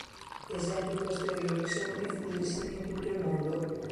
Esempi posteriori sono diffusissimi in tutto il mondo.